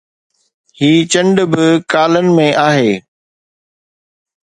هي چنڊ به ڪالن ۾ آهي